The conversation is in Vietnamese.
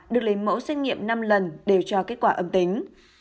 được lấy mẫu xét nghiệm năm lần đều cho kết quả âm tính